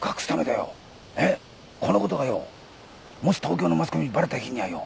このことがよもし東京のマスコミにばれた日にはよ